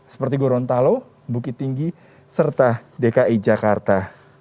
seperti gorontalo bukit tinggi serta dki jakarta